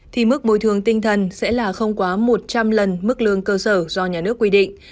thì mức bồi thường tinh thần sẽ là không quá một trăm linh lần mức lương cơ sở do nhà nước quy định